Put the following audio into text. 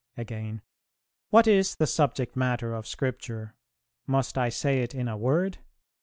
"[342:1] Again: "What is the subject matter of Scripture? Must I say it in a word?